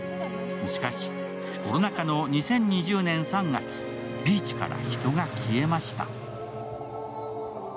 しかし、コロナ禍の２０２０年３月、ビーチから人が消えました。